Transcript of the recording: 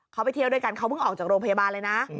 เขาไปเที่ยวด้วยกันเขาเพิ่งออกจากโรงพยาบาลเลยนะ